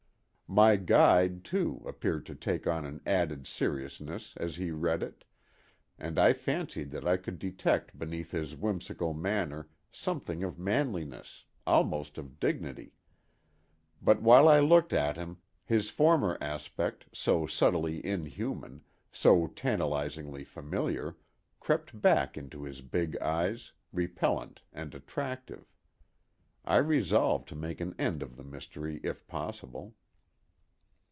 My guide, too, appeared to take on an added seriousness as he read it, and I fancied that I could detect beneath his whimsical manner something of manliness, almost of dignity. But while I looked at him his former aspect, so subtly inhuman, so tantalizingly familiar, crept back into his big eyes, repellant and attractive. I resolved to make an end of the mystery if possible.